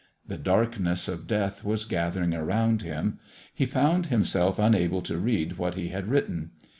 The darkness of death was gathering around him. He found himself unable to read what he had written.